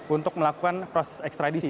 untuk melakukan proses ekstradisi